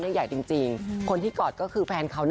จริงนะคะพวกขึ้นที่กอดก็คือแฟนข้องมันซ่อน